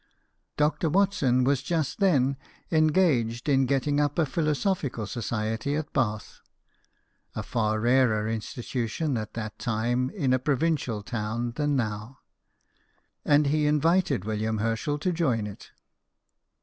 Dr. Watson was just then engaged in getting up a Philosophical Society at Bath (a far rarer insti tution at that time in a provincial town than now), and he invited William Herschel to join it.